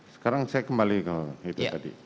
sekarang saya kembali ke itu tadi